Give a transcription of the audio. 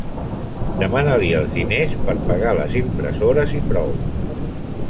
Demana-li els diners per pagar les impressores i prou.